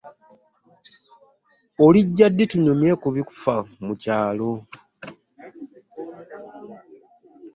Olijja ddi tunyumye ku bifa mu kyaalo?